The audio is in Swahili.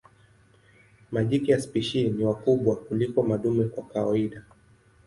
Majike ya spishi ni wakubwa kuliko madume kwa kawaida.